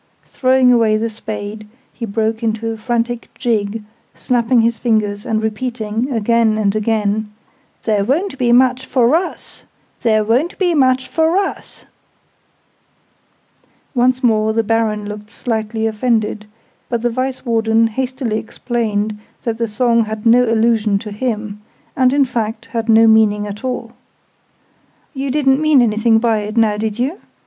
Throwing away the spade, he broke into a frantic jig, snapping his fingers, and repeating, again and again, "There won't be much for us! There won't be much for us!" {Image...It was a hippoptamus} Once more the Baron looked slightly offended, but the Vice Warden hastily explained that the song had no allusion to him, and in fact had no meaning at all. "You didn't mean anything by it, now did you?"